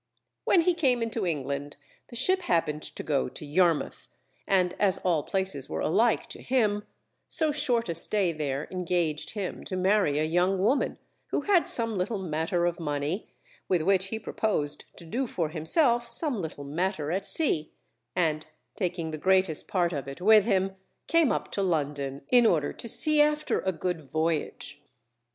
When he came into England the ship happened to go to Yarmouth, and as all places were alike to him, so short a stay there engaged him to marry a young woman who had some little matter of money, with which he proposed to do for himself some little matter at sea, and taking the greatest part of it with him, came up to London in order to see after a good voyage.